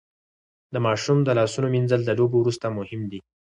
د ماشوم د لاسونو مينځل د لوبو وروسته مهم دي.